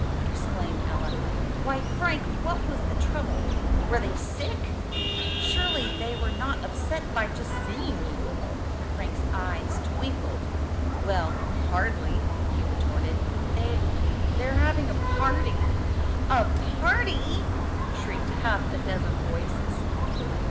exclaimed Ella. "Why, Frank, what was the trouble? Were they sick? Surely, they were not upset by just seeing you!" Frank's eyes twinkled "Well, hardly!" he retorted. "They they're having a party." "A party!" shrieked half a dozen voices.